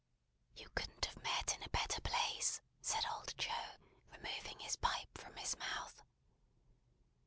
"You couldn't have met in a better place," said old Joe, removing his pipe from his mouth.